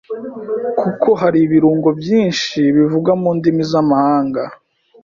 kuko hari ibirungo byinshi bivugwa mu ndimi z’amahanga